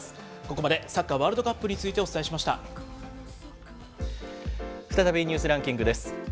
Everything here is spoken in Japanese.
ここまで、サッカーワールドカッ再びニュースランキングです。